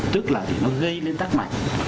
tức là nó gây lên tắc mạnh